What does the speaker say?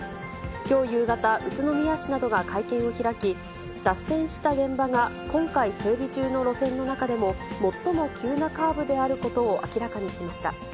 きょう夕方、宇都宮市などが会見を開き、脱線した現場が今回、整備中の路線の中でも、最も急なカーブであることを明らかにしました。